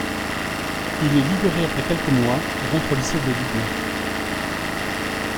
Il est libéré après quelques mois et rentre au lycée de Lublin.